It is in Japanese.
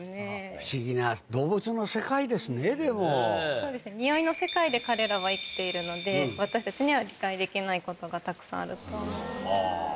不思議な動物の世界ですね、においの世界で彼らは生きているので、私たちには理解できないことがたくさんあると思います。